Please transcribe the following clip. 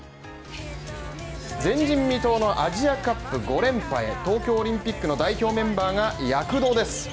前人未到のアジアカップ５連覇へ、東京オリンピックの代表メンバーが躍動です